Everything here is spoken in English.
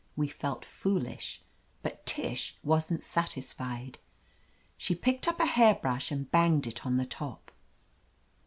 We felt foolish. But Tish wasn't satisfied. She picked up a hair brush and banged it on the top.